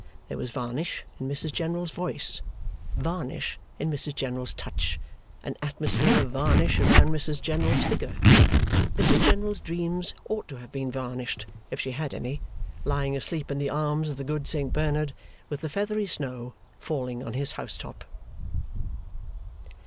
There was varnish in Mrs General's voice, varnish in Mrs General's touch, an atmosphere of varnish round Mrs General's figure. Mrs General's dreams ought to have been varnished if she had any lying asleep in the arms of the good Saint Bernard, with the feathery snow falling on his house top.